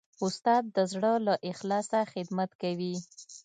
استاد د زړه له اخلاصه خدمت کوي.